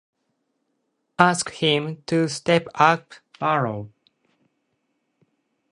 Ask him to step up, Barlow.